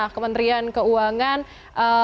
apakah kemampuan anda